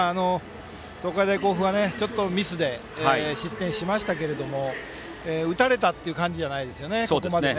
東海大甲府はミスで失点しましたけど打たれたという感じではないですよね、ここまで。